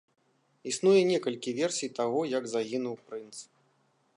Існуе некалькі версій таго, як загінуў прынц.